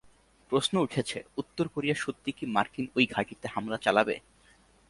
প্রশ্ন উঠেছে, উত্তর কোরিয়া সত্যিই কি মার্কিন ওই ঘাঁটিতে হামলা চালাবে?